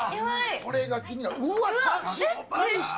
これが気になって。